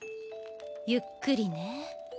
ゆっくりね。